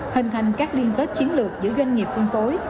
hình thành các liên kết chiến lược giữa doanh nghiệp phân phối